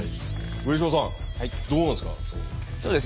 植芝さんどうなんですか？